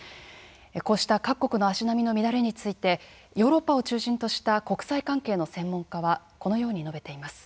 こうした各国の足並みの乱れについてヨーロッパを中心とした国際関係の専門家はこのように述べています。